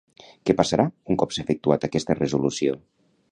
Què passarà un cop s'ha efectuat aquesta resolució?